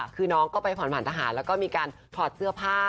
คือน้องก็ไปผ่อนผ่านทหารแล้วก็มีการถอดเสื้อผ้า